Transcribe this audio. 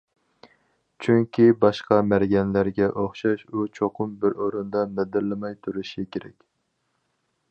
چۈنكى باشقا مەرگەنلەرگە ئوخشاش ئۇ چوقۇم بىر ئورۇندا مىدىرلىماي تۇرۇشى كېرەك.